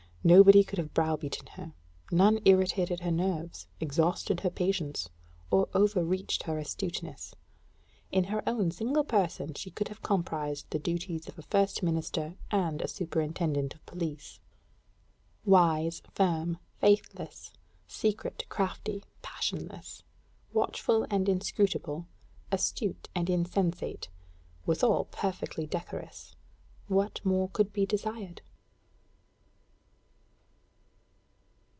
Nobody could have browbeaten her, none irritated her nerves, exhausted her patience, or overreached her astuteness. In her own single person, she could have comprised the duties of a first minister and a superintendent of police. Wise, firm, faithless, secret, crafty, passionless; watchful and inscrutable; acute and insensate withal perfectly decorous what more could be desired?